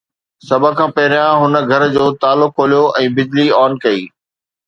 سڀ کان پهريان هن گهر جو تالا کوليو ۽ بجلي آن ڪئي.